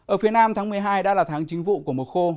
ở phía nam tháng một mươi hai đã là tháng chính vụ của mùa khô